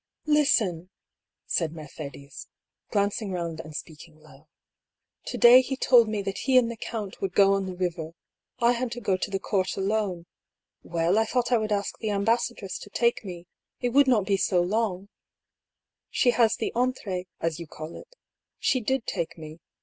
" Listen !" said Mercedes, glancing round and speak ing low. " To day he told me that he and the count would go on the river. I had to go to the Court alone. 176 1>R. PAULL'S THEORY. Well, I thought I would ask the ambassadress to take me — it would be not so long — she has the entr6e, as you call it. She did take me.